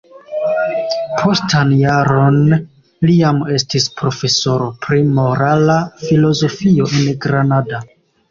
Postan jaron li jam estis profesoro pri morala filozofio en Granada.